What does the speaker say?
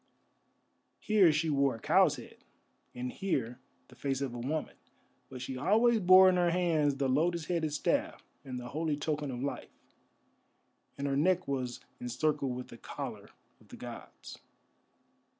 Here she wore a cow's head, and here the face of a woman, but she always bore in her hands the lotus headed staff and the holy token of life, and her neck was encircled with the collar of the gods.